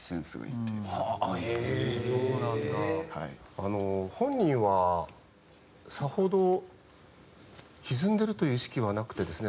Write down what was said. あの本人はさほど歪んでるという意識はなくてですね